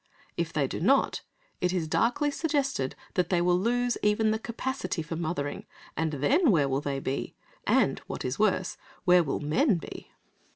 If they do not, it is darkly suggested that they will lose even the capacity for mothering, and then, where will they be? And, what is worse, where will men be?